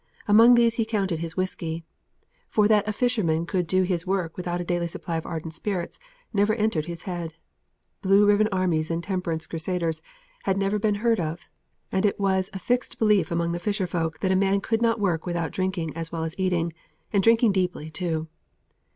Among these he counted his whisky; for that a fisherman could do his work without a daily supply of ardent spirits never entered his head. Blue ribbon armies and temperance crusades had never been heard of, and it was a fixed belief among the fisher folk that a man could not work without drinking as well as eating, and drinking deeply, too.